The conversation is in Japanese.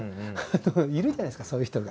いるじゃないですかそういう人が。